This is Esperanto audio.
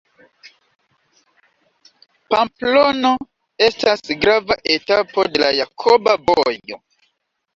Pamplono estas grava etapo de la Jakoba Vojo.